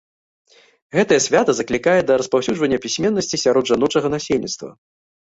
Гэтае свята заклікае да распаўсюджвання пісьменнасці сярод жаночага насельніцтва.